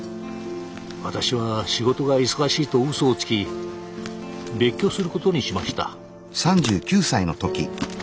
私は仕事が忙しいと嘘をつき別居することにしました。